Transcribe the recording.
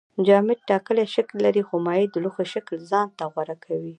جامد ټاکلی شکل لري خو مایع د لوښي شکل ځان ته غوره کوي